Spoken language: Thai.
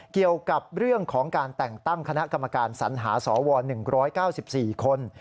เกี่ยวกับเรื่องของการแต่งตั้งคณะกรรมการสัญหาสว๑๙๔คน